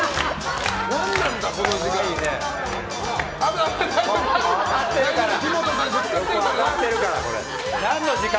何なんだ、この時間。